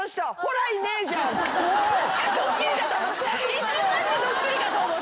一瞬マジでドッキリかと思った。